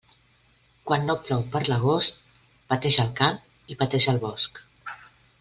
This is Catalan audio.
Quan no plou per l'agost, pateix el camp i pateix el bosc.